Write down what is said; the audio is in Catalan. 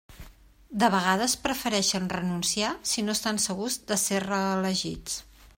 De vegades prefereixen renunciar si no estan segurs de ser reelegits.